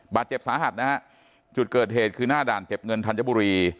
บาดเจ็บสาหัสนะฮะจุดเกิดเหตุคือหน้าด่านเก็บเงินธัญบุรี